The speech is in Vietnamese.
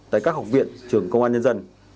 tại các học viện trường công an nhân dân